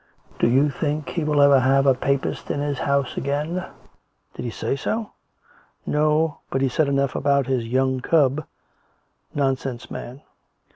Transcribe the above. Do you think he'll ever have a Papist in his house again ?"" Did he say so ?"" No ; but he said enough about his ' young cub.' ... Nonsense, man!